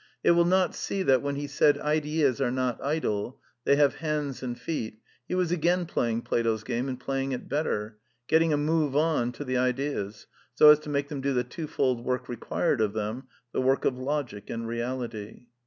It will not see that when he said Ideas are not idle, they have hands and feet, he was again playing Plato's game and playing it better, getting a *^ move on " to the Ideas, so as to make them do the twofold work required of them, the work of logic and reality.